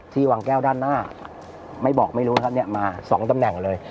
ที่วางแก้วด้านหน้ามา๒ตำแหน่งเลย